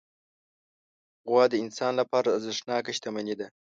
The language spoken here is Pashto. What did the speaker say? غوا د انسان لپاره ارزښتناکه شتمني ده.